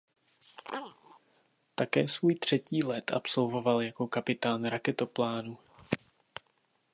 Také svůj třetí let absolvoval jako kapitán raketoplánu.